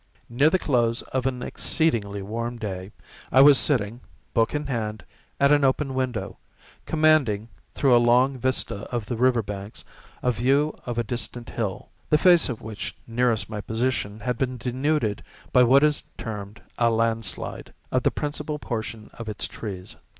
Near the close of exceedingly warm day, I was sitting, book in hand, at an open window, commanding, through a long vista of the river banks, a view of a distant hill, the face of which nearest my position had been denuded by what is termed a land slide, of the principal portion of its trees.